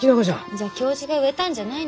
じゃあ教授が植えたんじゃないんですか？